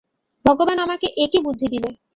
ভগবান আমাকে এ কী বুদ্ধি দিলে!